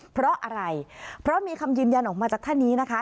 เพราะอะไรเพราะมีคำยืนยันออกมาจากท่านนี้นะคะ